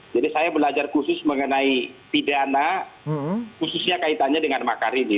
jadi saya belajar khusus mengenai pidana khususnya kaitannya dengan makar ini